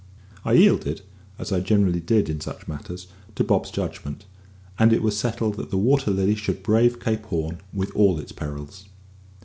I yielded, as I generally did in such matters, to Bob's judgment; and it was settled that the Water Lily should brave Cape Horn with all its perils.